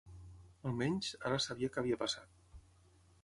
Almenys, ara sabia què havia passat.